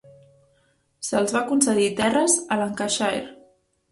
Se'ls va concedir terres a Lancashire.